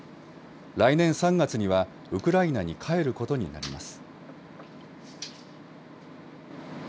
来年３月にはウクライナに帰ることになります。